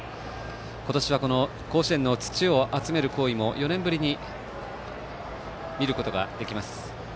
今年は甲子園の土を集める行為も４年ぶりに見ることができます。